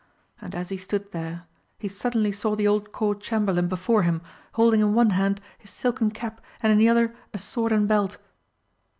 And as he stood there, he suddenly saw the old Court Chamberlain before him, holding in one hand his silken cap and in the other a sword and belt.